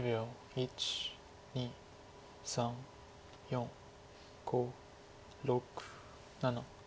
１２３４５６７。